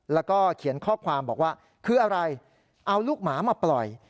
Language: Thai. แล้วก็เขียนข้อความบอกว่าคืออะไรเอาลูกหมามาปล่อย